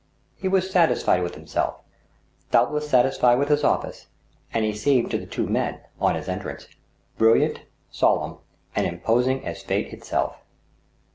He was satisfied with himself, doubtless sat isfied with his office, and he seemed to the two men, on his entrance, brilliant, solemn, and imposing as Fate itself.